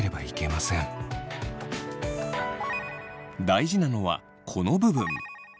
大事なのはこの部分。